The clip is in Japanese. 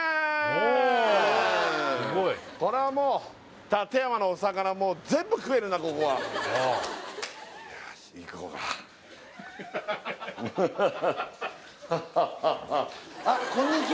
これはもう館山のお魚もう全部食えるなここはよーし